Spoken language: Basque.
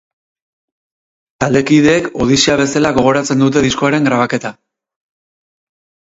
Taldekideek odisea bezala gogoratzen dute diskoaren grabaketa.